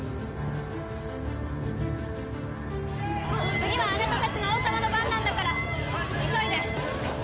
次はあなたたちの王様の番なんだから急いで！